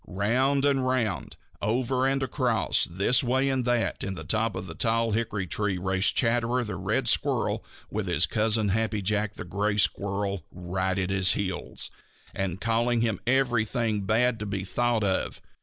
Round and round, over and across, this way and that way, in the top of the tall hickory tree raced Chatterer the Red Squirrel with his cousin, Happy Jack the Gray Squirrel, right at his heels, and calling him everything bad to be thought of.